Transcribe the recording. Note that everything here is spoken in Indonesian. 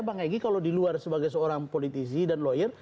bang egy kalau di luar sebagai seorang politisi dan lawyer